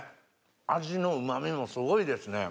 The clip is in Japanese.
味のうま味もすごいですね。